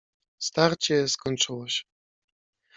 "Starcie skończyło się."